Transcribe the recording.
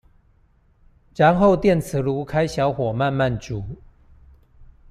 然後電磁爐開小火慢慢煮